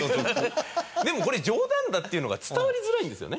でもこれ冗談だっていうのが伝わりづらいですよね。